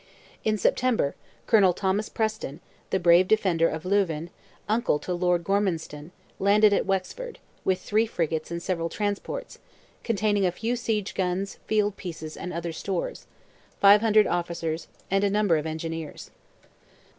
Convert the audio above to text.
In September, Colonel Thomas Preston, the brave defender of Louvain, uncle to Lord Gormanstown, landed at Wexford, with three frigates and several transports, containing a few siege guns, field pieces, and other stores, 500 officers, and a number of engineers.